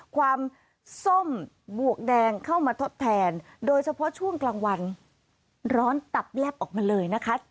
ความส้มบวกแดงเข้ามาทดแทนโดยเฉพาะช่วงกลางวันร้อนตับแลบออกมาเลยนะคะ